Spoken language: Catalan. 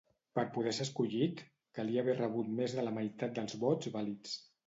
Per poder ser escollit, calia haver rebut més de la meitat dels vots vàlids.